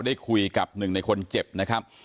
ได้คุยกับหนึ่งในคนเจ็บนะครับ